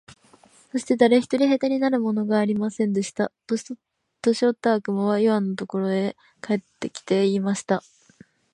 そして誰一人兵隊になるものがありませんでした。年よった悪魔はイワンのところへ帰って来て、言いました。